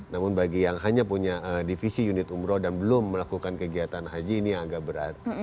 namun bagi yang hanya punya divisi unit umroh dan belum melakukan kegiatan haji ini agak berat